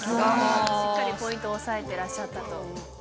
しっかりポイントを押さえていらっしゃったと。